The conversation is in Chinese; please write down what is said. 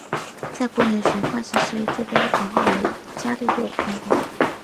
在古典力学里惯性系统之间的座标转换称为伽利略变换。